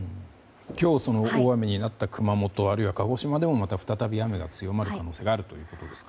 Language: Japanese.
今日、大雨になった熊本あるいは鹿児島でも再び雨が強まる可能性があるということですか。